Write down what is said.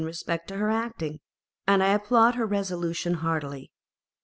respect to her acting, and I applaud her resolution heartily.